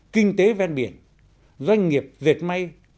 kinh tế ven biển doanh nghiệp dệt may